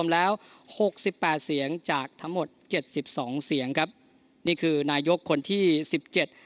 แล้วหกสิบแปดเสียงจากทั้งหมดเจ็ดสิบสองเสียงครับนี่คือนายกคนที่สิบเจ็ด